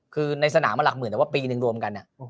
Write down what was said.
คือในสนามมันหลักหมื่นแต่ว่าปีนึงรวมกัน